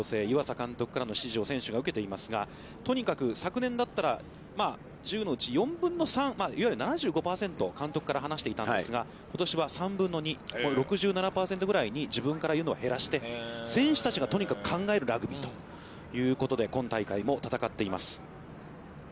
湯浅監督からの指示を選手が受けていますが、とにかく昨年だったら１０のうち４分の３、いわゆる７５％監督から話していたんですが、ことしは３分の２、６７％ぐらいに自分から言うのは減らして、選手たちがとにかく考えるラグビーということで今大会も戦っています。